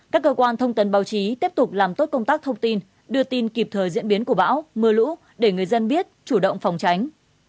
các cơ quan thông tấn báo chí tiếp tục làm tốt công tác thông tin đưa tin kịp thời diễn biến của bão mưa lũ để người dân biết chủ động phòng tránh